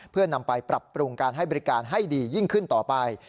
เพื่อนำไปปรับปรุงการให้บริการให้ดียิ่งขึ้นต่อไป